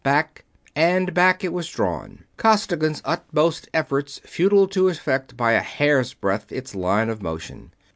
Back and back it was drawn; Costigan's utmost efforts futile to affect by a hair's breadth its line of motion.